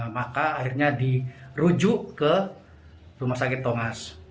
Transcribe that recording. maka akhirnya dirujuk ke rumah sakit tongas